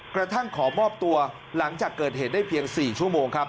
กระทั่งขอมอบตัวหลังจากเกิดเหตุได้เพียง๔ชั่วโมงครับ